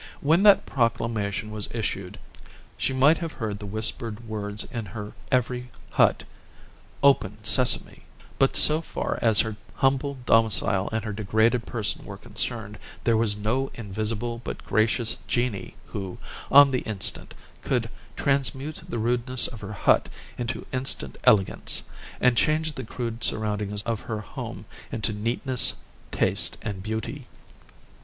When that proclamation was issued she might have heard the whispered words in her every hut, "Open, Sesame;" but, so far as her humble domicile and her degraded person were concerned, there was no invisible but gracious Genii who, on the instant, could transmute the rudeness of her hut into instant elegance, and change the crude surroundings of her home into neatness, taste, and beauty.